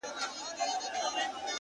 جانه ځان دي ټوله پکي وخوړ!